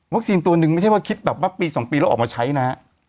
ตัวหนึ่งไม่ใช่ว่าคิดแบบว่าปี๒ปีแล้วออกมาใช้นะ